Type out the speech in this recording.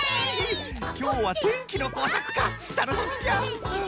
きょうはてんきのこうさくかたのしみじゃ。